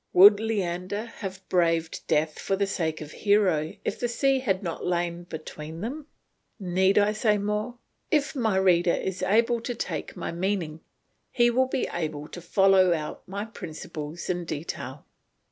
Would Leander have braved death for the sake of Hero if the sea had not lain between them? Need I say more; if my reader is able to take my meaning, he will be able to follow out my principles in detail.